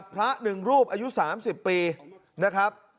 พระอยู่ที่ตะบนพนมไพรครับ